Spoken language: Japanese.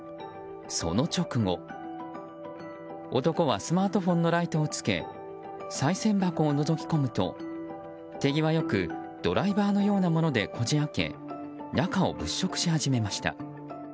その直後、男はスマートフォンのライトをつけさい銭箱をのぞき込むと手際よくドライバーのようなものでこじ開け中を物色し始めました。